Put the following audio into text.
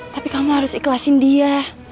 tapi kamu harus ikhlasin dia